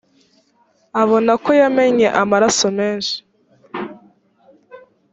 abona ko yamennye amaraso menshi.